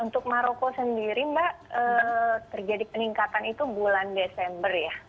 untuk maroko sendiri mbak terjadi peningkatan itu bulan desember ya